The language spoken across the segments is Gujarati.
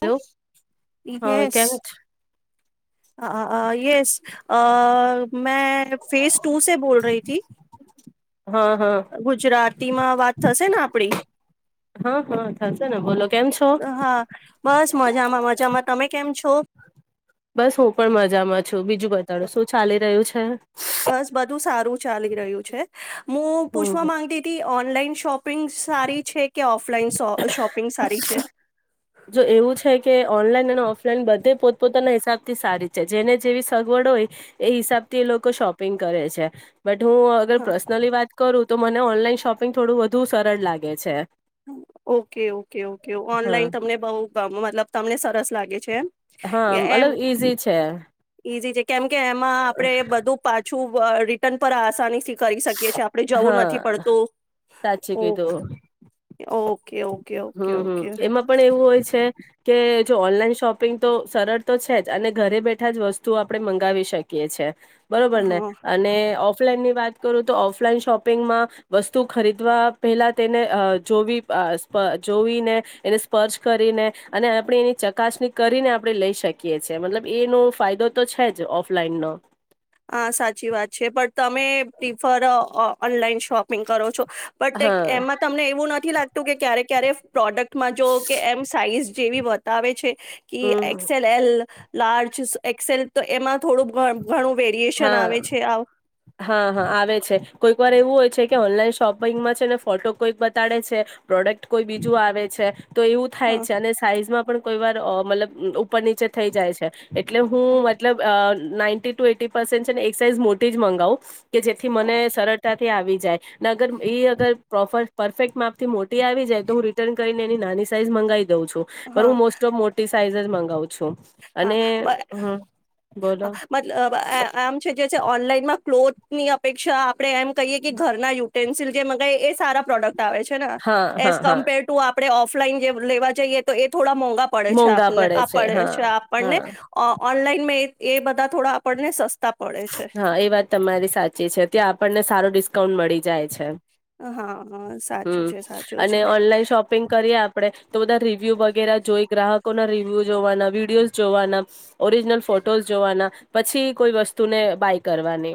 હલો, હા કેમ છે હ હ. અ, યસ, અ, મેં ફેઝ ટુ સે બોલ રહી થી. છો હા હા ગુજરાતીમાં વાત થસે ને? આપડી. હા હા થશે ને બોલો કેમ છો હા, બસ, મજામાં, મજામાં, તમે કેમ છો? છ [unintelligible] બસ, હું પણ મજામાં છું. બીજું બતાડો, શું ચાલી રહ્યું છે? બસ બધું સારું ચાલી રહ્યું છે. હું પૂછવા હમ માંગતીતી, ઓનલાઈન શોપિંગ સારી છે કે ઓફ લાઈન સો અ શોપિંગ સારી છે? જો એવું છે કે ઓનલાઈન અને ઓફલાઈન બધે પોતપોતાના હિસાબથી સારી છે. જેને જેવી સગવડ હોય, એ હિસાબથી, એ લોકો શોપિંગ કરે છે. બટ હું અગર હા પર્સનલી વાત કરું તો મને ઓનલાઈન શોપિંગ થોડું વધુ સરળ લાગે છે. ઓકે, ઓકે, ઓકે, હા ઓનલાઈન તમને બઉ મતલબ, તમને સરસ લાગે છે એમ? હા, એમ મલબ ઈઝી છે. ઈઝી છે, કેમ કે એમાં આપડે બધું પાછું રિટર્ન પર આસાની સી કરી સકીએ છે, આપડે જવું હા નથી પડતું. સાચી કીધું ઓકે, ઓકે, ઓકે. ઓકે હમ, હમ, ઓકે એમાં પણ એવું હોય છે કે જો ઓનલાઈન શોપિંગ તો સરળ તો છે જ અને ઘરે બેઠા જ વસ્તુ આપણેે મંગાવી શકીએ છે. બરોબર ને? હા અને ઓફલાઈનની વાત કરું તો, ઓફલાઈન શોપિંગમાં વસ્તુ ખરીદવા પહેલા તેને અ જોબી અ જોવી ને એને સ્પર્શ કરીને, અને આપણે એની ચકાસણી કરીને, આપણે લઈ શકીએ છે. મતલબ, એનો ફાયદો તો છે જ ઓફલાઈનનો. હા, સાચી વાત છે બટ તમે પ્રિફર અ, અ ઓનલાઈન શોપિંગ કરો છો? બટ એક હા એમાં તમને એવું નથી લાગતું કે ક્યારેક ક્યારેક પ્રોડક્ટ માં જો કે એમ સાઈઝ જેવી બતાવે છે કે હમ X L L large Excel તો એમાં થોડું ઘણું વેરિએશન હા, આવે છે આવ હા હા આવે છે. કોઈક વાર એવું હોય છે કે ઓનલાઈન શોપિંગમાં છે ને ફોટો કોઈક બતાડે છે પ્રોડક્ટ કોઈ બીજું આવે છે, તો એવું થાય હા છે અને સાઈઝમાં પણ કોઈ વાર મતલબ ઉપર નીચે થઈ જાય છે. એટલે હું મતલબ નાઇન્ટ ટુ એ છે ને એકસાઇઝ મોટી જ મગાવું. કે જેથી મને સરળતા થી આવી જાય. અગર એ અગર પ્રોપર પરફેક્ટ માપ થી મોટી આવી જાય તો હું રિટર્ન કરીને એની નાની સાઈઝ મંગાવી ઉ છું, હા હું મોસ્ટ ઓફ મોટી સાઇઝ મગાવું છું, અને હા હમ બોલો. મતલબ આમ છે જે ઓનલાનમાં ક્લોથની અપેક્ષા આપણે એમ કહીએ કે ઘરના યુટેન્સિલ જે મગાવ એ સારા પ્રોડક્ટ આવે છે ને, હા એ હા હા કમ્પેર ટુ આપણે ઓફલાઈન જે લેવા જઈએ તો એ થોડા મોંઘા પડે છે મોંઘા આપને આ પડે હા છે. આપણને. હા ઓનલાઈનમાં એ એ બધા થોડા આપણને સસ્તા પડે છે હા એ વાત તમારી સાચી છે ત્યાં આપણને સો ડિસ્કાઉન્ટ મળે જાય છે, હા હા હ સાચું છે સાચું અને છે ઓનલાઈન શોપિંગ કરીએ આપણે તો બધા રિવ્યુ વગેરે જોઈ ગ્રાહકોના રિવ્યુ જોવાના વિડીયોઝ જોવાના, ઓરિજનલ ફોટોસ જોવાના, પછી કોઈ વસ્તુ તુને બાય કરવાની.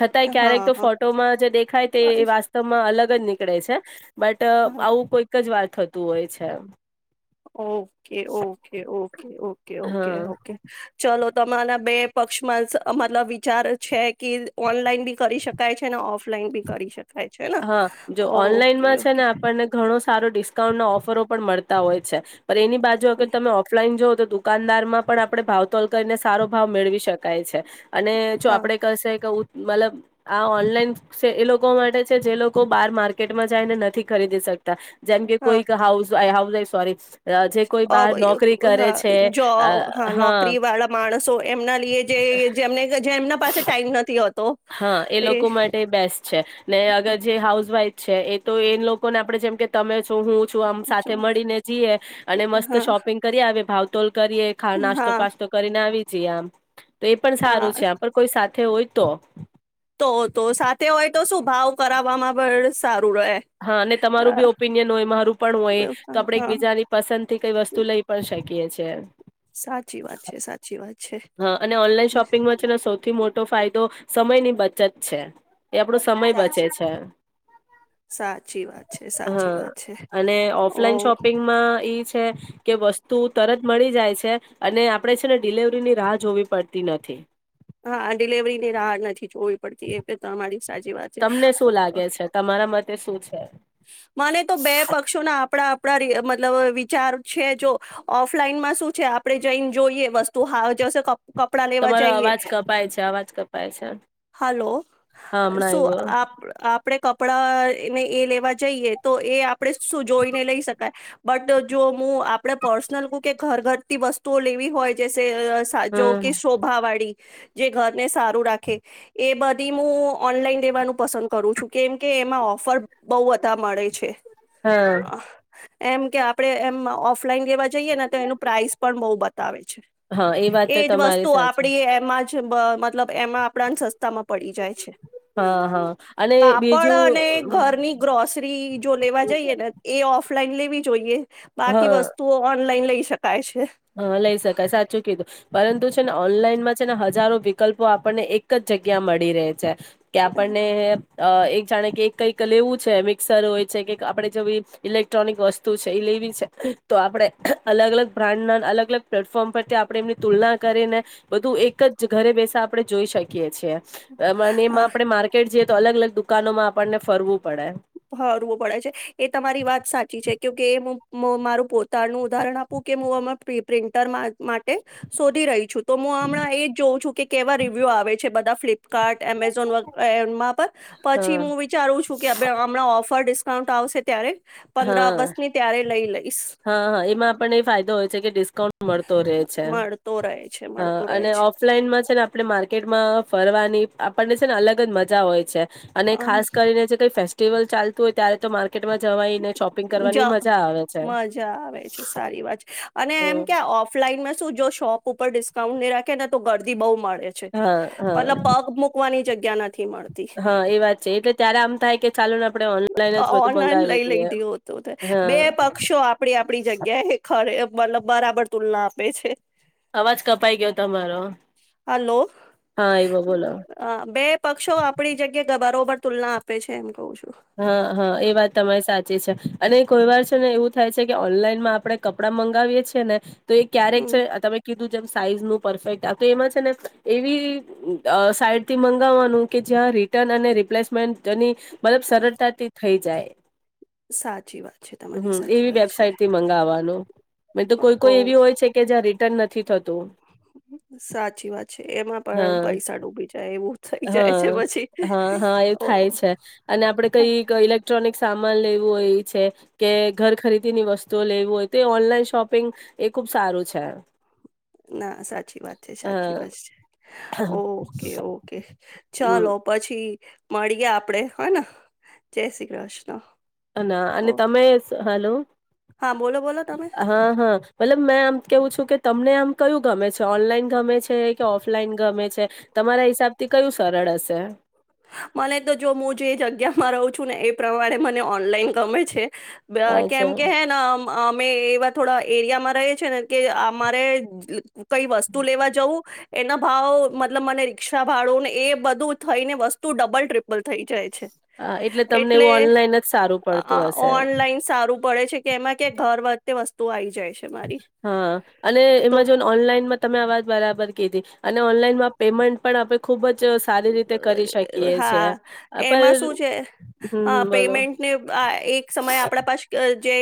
છતાંય ક્યારેક હા તો હા ફોટોમાં જે દેખાય તે હા વાસ્તવમાં અલગ બનીકડે છે. બટ આવું કોઈક જ વાત થતું હોય છે એમ. Okay okay okay okay okay હા ઓકે ચલો તમારારા બે પક્ષમાં મતલબ વિચાર છે કે ઓનલાઈન બી કરી શકાય છે ને ઓફ ઓફલાઈન બી કરી શકાય. છે ને હા જો ઓકે ઓનલાઈનમાં છે ઓકે ને આપણને ઘણો સારો ડિસ્કાઉન્ટ ના ઓફરો પણ મળતા હોય છે. પણ એની બાજુ અગર તમે ઓફલાઈન જોવઓ તો દુકાનદાર માં પણ આપડે ભાવતોલ કરીને સારો ભાવ મેળવી શકાય છે. અને જો હા આપડે કહેશે કે મતલબ આ ઓનલાઈન છે એ લોકો માટે જે લોકો બાર માર્કેટમાં જાય ને નથી ખરીદી શકતા જેમ કે હા કોઈ હાઉ હાઉ સોરી જે કોઈ અ બહાર બ નોકરી કરે હા છે જોબ હા નોકરી વાળા માણસો એમના લીએ જે જેમને જે એમના પાસે ટાઈમ નથી હોતો. હા એ લોકો માટે બેસ્ટ છે ને અગર જે હાઉસ વાઇફ છે એ તો એ લોકોને આપણે જેમ કે તમે છો હું હું છું આમ જો, સાથે મળીને જઈએ અને મસ્ત હા શોપિંગ કરી આવે ભાવ કરીએ ખ નાસ્તો હા પાસ્તો કરીને આવી જિયામ. તો એ પણ સારું હા છે આ કોઈ હોય તો. તો તો સાથે હોય તો શું ભાવ કરાવવામાં પણ સારું. રહે હા અને તમારું બી ઓપિનિયન હોય મારું પણ હોય હા તો આપણેે એક હા બીજાની પસંદ થી કઈ વસ્તુ લઈ પણ શકીએ. કીઅ છે. સાચી વાત છે સાચી વાત છે હા અને ઓનલાઈન શોપિંગમાં છે સૌથી મોટો ફાયદો સમયની બચત છે. એ આપડો સમય બચે સાચી છે. વાત સાચી વાત છે સાચી વાત હા છે અને ઓફલાઈન ઓ શોપિંગમાં ઈ છે કે વસ્તુ તું તરત મળી જાય છે અને આપણેે છે ને ડિલવરીની રાહ જોવી પડતી નથી. હા ડિલવરી ની રાહ નથી જોવી પડતી એ પે તમારી સાચી વાત છે તમને શું લાગે છે તમારા મતે શું છે મને તો બે પક્ષોના આપણા મતલબ વિચાર છે જો ઓફલાઈનમાં શું આપડે જઈને જોઈએ વસ્તુ તું હા જસ કપ કપડાં લેવા જઈએ. અજ કપાય છે અવાજ કપાય છે હલો હા હમણાં શું આય્વો. આપ આપણે કપડા ને એ લેવા જઈએ તો એ આપણે શું જોઈને લઈ શકાય બટ જો હું આપણે પર્સનલ કું કે ઘર ઘર વસ્તુઓ લેવી હોય જે સા જો હમ કે શોભાવાળી જે ઘરને સારું રાખે એ બધી હું ઓનલાઈન દેવાનું પસંદ કરું છું કેમકે એમાં ઓફર બહુ બધા મળે છે. હમ્ અ, એમ કે આપડે એમ ઓફ ઓલાન લવા જઈએને તો એનું પ્રાઇસ પણ બહ બતાવે છે હા એ વાત તો એજ તમારી વસ્તુ સાચી આપડી મતલબ એમાં આપણાને સસ્તા માં પડી જાય છે. હા હા અને કાપડ અને બીજું ઘરની ગ્રોસરી જો લેવા જઈએ ને એ ઓફ. ફ્લાલેી જોઈએ. બાકી હા વસ્તુઓ ઓનલાઈન લઈ શકાય છે. હા લઈ શકાય સાચું કીધું પરંતુ છે ને ઓનલાઈનમાં છે ને હજારો વિકલ્પો આપણને એક જ જગ્યા મળી રહે છે. કે આપણને અ એક જાણે કે કંઈક લેવું છે મિક્સર હોય છે કેક આપણે જેવી ઇલેક્ટ્રોનિક વસ્તુ છે એ લેવી છે તો આપડણે અલગ અલગ બ્રાન્ડના અલગ અલગ પ્લેટફોર્મ પરથી આપણે એમની તુલના કરીને બધું એક જ ઘરે બેસા આપડણે જોઈ શકીએે છીએ. એમાં ને એમાં આપડે માર્કેટ જે તો અલગ અલગ દુકાનોમાં આપણને ફરવું. પડે હરવો પડે છે એ તમારી વાત સાચી છે. કે એું મારું પોતાનું ઉદાહરણ આપું કે હું અ પ્રિન્ટર માટે શોધી રહી છું. તો હું હમણાં એજ જોઉં છું કે કેવા રિવ્યુ આવે બધા ફ્લિપ કાર્ટ એમેઝોન એમાં પર પછી હા હું વિચારું છું કે ઓફર ડિસ્કાઉન્ટ આવશે ત્યારે પંદર હા ઓગસ્ટની ત્યારે લઈ લઈશ હા હા એમાં આપને એ ફાયદો હોય છે કે ડિસ્કાઉન્ટ મળતો રે છે મળતો રહે છે હ મળતો રહે અને છે ઓફલાઈન માં છે ને આપણે માર્કેટમાં કરવાની આપણને છે ને અલગ જ મજા હોય છે અને ખાસ કરીને જે કઈ ફ ટેબલ ચાલતું હોય ત્યારે તો માર્કેટમાં જવા મજા આવે છે, સારી વાત છે, અને એમ હમ. કે ઓફલાઈનમાં શું જો શોપ ઉપર ડિસ્કાઉન્ટ નહી રાખે ને તો ગરદી બહુ માણે હા મતલબ હા પગ મૂકવાની જગ્યા [unintelligible] હા, એ વાત છે, એટલે ત્યારે આમ થાય કે ચાલો ને આપણે ઓનલાઈન જ બધુ મંગાવી દીએ તો બે પક્ષો આપણી આપણી જગ્યાએ ખરે મતલબ બરાબર તુલના આપે છે, અવાજ કપાઈ ગયો તમારો, હલો હા એવો બોલો અ, બે પક્ષો આપડી જગ્યા બરોબર તુલના આપે છે, એમ કવું છુ હા હા એ વાત તમારી સાચી અને કોઈ વાર છે ને એવું થાય છે, કે ઓનલાઈનમાં આપડણે કપડાં મંગાવીએ છી ને તો એ ક્યારેક હમ છે, તમે કીધું જેમ સાઈઝ નું પરફેક્ટ [inaudible] સરળતા થઈ જાય સાચી વાત છે તમારી હમ્મ સાચી એવી વાત છે વેબસાઈટથી મંગાવવાનું મે તો કોઈ ઓ કોઈ એવી હોય છે, કે જ્યાં રે તને નથી થતું સાચી વાત છે, એમાં પણ હા પૈસા ડૂબી જાય એવું થઇ જાય છે, હા હા પછી હા એવું ઓ થાય છે અને આપડ થાય. કઈ ઇલેક્ટ્રોનિક સામાન લેવું હોય, એ છે કે ઘર ખરીદીની વસ્તુઓ લેવુ હોય તો એ ઓનલાઈન શોપિંગ એ ખુબ સારું છે. ના સાચી વાત છે, સાચી હા વાત છે ઓકે ઓકે હમ ચાલો પછી મળીએ, આપડે હને જય શ્રી કૃષ્ણ. હ ના અને ઓ તમે હાલો હા બોલો બોલો તમે હા હા મતલબ મેં આમ કેવું છું, કે તમને આમ કયું ગમે છે, ઓનલાઈન ગમે છે કે ઓફલાઈન ગમે છે, તમારા હિસાબ થી કયું સરળ હશે મને તો જો હું જે જગ્યામાં રહું છું, ને એ પ્રમાણે મને ઓનલાઈન ગમે છે, કેમ અચ્છા કે હે અમે એવા થોડા એરિયામાં રહે છે ને કે અમારે કઈ વસ્તુ લેવા જવું એના ભાવ મતલબ મને રિક્ષા ભાડોને એ બધું થઈ ને વસ વસ્તુ ડબલ ટ્રીપલ થઈ જાય, હા, એટલે તમને એવું ઓનલાઈન જ સારું પડતું આ હશે, ઓનલાઈન સારું પડે છે કે એમાં કે ઘર વતે વસ્તુઓ આવી જાય. છે મારી હા અને તો અ, એમેજોન ઓનલાઈનમાં તમે આવાજ બરાબર કે દે અને ઓનલાઈનમાં પેમેન્ટ પણ આપડે ખૂબજ અહ અહ હા પર એમાં શું હમ છે હા હમ બોલો પેમેન્ટને આ એક સમયે આપણા પાસ કહ જે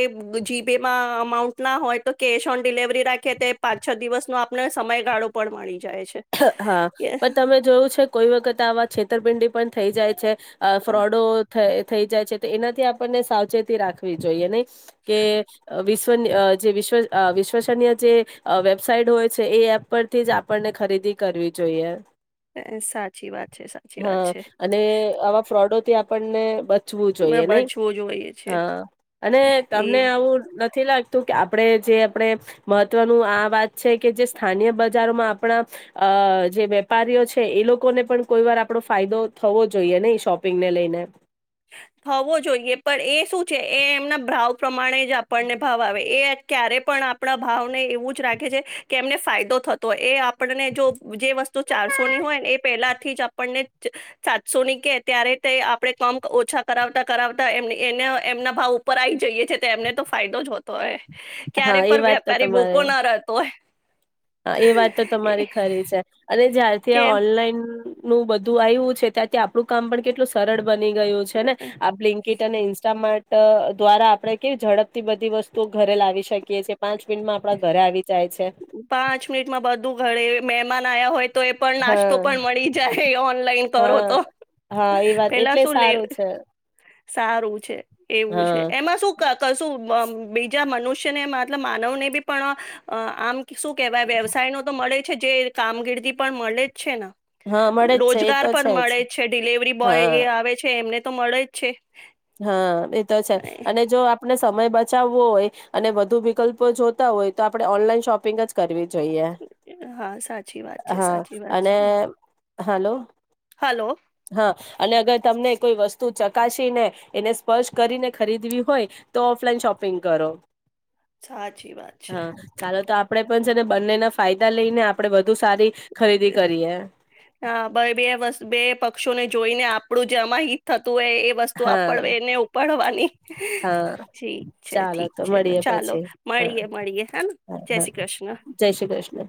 જી પે માં એમાઉન્ટ ના હોય તો કેશ ઓન ડિલેવરી રાખે તે પાંચ છ દિવસનો આપને સમયગાળો પણ મળી જાય છે હા કે પણ તમે જોયું છે કોઈ વખત તામાં છેતરપિંડી પણ થઈ જાય છે. અહ અ, ફ્રોડો થએ થઈ જાય છે તો એનાથી આપણને સાવચેતી રાખવી જોઈએ નહી? કે અહ વિશ તો ન અહ વિશ્વ અહ વિશ્વસનીય જે અહ વબસાઈટ હોય છે એ એપ પરથી જ આપણને ખરીદી કરવી જોઈએ. અહ સાચી વાત છે, સાચી વાત હા છે. અને આવા ફ્રોડોથી આપણને બ પૂછવું જોઈએ નહી બચવું જોઈએ છે હા અને એ તમને આવું નથી લાગ તો કે આપણે કે જે આપણે મહત્વનું આ વાત છે કે જે સ્થાનિય બજારોમાં આપણા અહ જે વેપારીઓ છે એ લોકોને પણ કોઈ વાર આપણો ફાયદો થવો જોઈએ નહીં શોપિંગને લઈને. થવો જોઈએ પણ એ શું છે એ એમના બ્રાહ્વ પ્રમાણે જે આપણને ભાવ આવે એટ ક્યારે પણ આપણા ભાવને એવું જ રાખે છે કે એમને ફાયદો થતોય એ આપણને જો જે વસ્તુ ચારસો ની હોય ને એ પેલા થી જ આપણને ચ સાતસો ની કે ત્યારે તે આપણે કમ ઓછા કરાવતા કરાવતા એમ એને એમના ભાવ ઉપર આવી જઈએ છે તો એમને તો ફાયદો જ હોતો હોય. ક્યારે હા એ પણ વાત તો વેપારી તમારે બોકો ના રહેતો હોય. હા એ વાત તો તમારી ખરી છે અને જ્યારથી આ કે ઓનલાઈન નું બધું આવ્યું છે ત્યાં તો આપણું કામ પણ કેટલું સરળ બની ગયું છે ને આ બ્લિંક કીટ અને ઇન્સ્ટામાર્ટ અહ દ્વારા આપડે કેવી ઝડપથી બધી વસ્તુઓ ઘરે લાવી શકીએ છીએ. પાંચ મિનિટમાં આપણા ઘરે આવી જાય છે. પાંચ મિનિટમાં બધું ઘરે મહેમાન આયા હોય તો એ પણ નાસ્તો હા પણ મળી જાય ઓનલાઈન કરો હા તો હા એ વાત પેલા એટલે શું લે સારું છે સારું છે. એવું છે હા એમાં શું ક કલશું? બીજા મનુષ્યને મતલબ માનવને બ પણ, આમ શું કેહેવાય વ્યવસાય નો તો મળે જ જે કામગિર્દી પણ મળે જ છે ને. હા મળે જ છે એ તો રોજગાર છે પણ મળે જ છે ડિલવરી બોય હા એ આવે છે એમને તો મળે જ છે. હા એતો છે, અને જો આપણે સમય બસ બચાવવો હોય, અને બ વધુ વિકલ્પો જોતા હોય તો આપણે ઓનલાઈન શોપિંગ જ કરવી જોઈએ હા સાચી વાત છે હા સાચી વાત અને છે. હાલો. હલો હા અને અગર તમને કોઈ વસ્તુ ચકાસી ને એને સ્પર્શ કરીને ખરીદવી હોય તો, ઓફલાઈન શોપિંગ કરો. સાચી વાત છે હા, ચાલો તો આપ આપણે પણ છે ને બંનેના ફાયદા લઈને આપણે વધુ સારી ખરીદી કરીએ હા બે વ બે પ પક્ષો ને જોઈને આપણું જે અમા હિતું એ વસ્તુ હા આપડને ઉપાડવાની, હા ઠીક છે ચાલો ઠીક તો છે મળીએ ચાલો પછી હા મળીએ મળીએ હે હા જય હા શ્રી કૃષ્ણ. જય શ્રી કૃષ્ણ